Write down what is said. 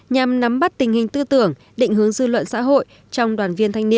nhằm nắm bắt tình hình tư tưởng định hướng dư luận xã hội trong đoàn viên thanh niên